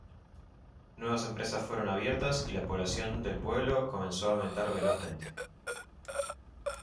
Nuevas empresas fueron abiertas y la población del pueblo comenzó a aumentar velozmente.